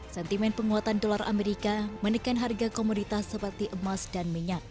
sentimen penguatan dolar amerika menekan harga komoditas seperti emas dan minyak